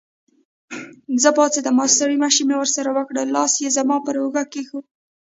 زه پاڅېدم او ستړي مشي مې ورسره وکړل، لاس یې زما پر اوږه کېښود.